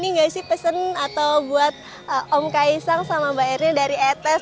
ada ini gak sih pesen atau buat om kaisang sama mbak erina dari etes